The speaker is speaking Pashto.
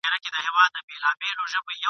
اشرف المخلوقات !.